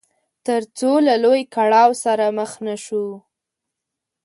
تر څو له لوی کړاو سره مخ نه شو.